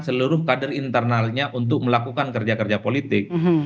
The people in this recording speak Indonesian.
seluruh kader internalnya untuk melakukan kerja kerja politik